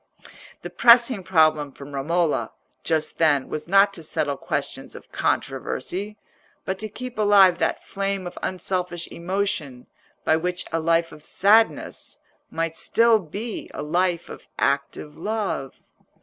The pressing problem for Romola just then was not to settle questions of controversy, but to keep alive that flame of unselfish emotion by which a life of sadness might still be a life of active love.